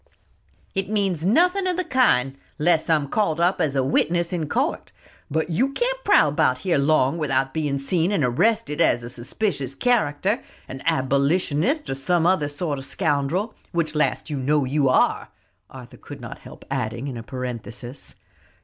"It means nothing of the kind, unless I'm called up as a witness in court; but you can't prowl about here long without being seen and arrested as a suspicious character, an abolitionist, or some other sort of scoundrel which last you know you are," Arthur could not help adding in a parenthesis.